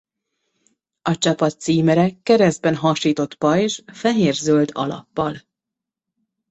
A csapat címere keresztben hasított pajzs fehér-zöld alappal.